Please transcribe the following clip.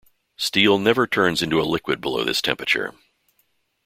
Steel never turns into a liquid below this temperature.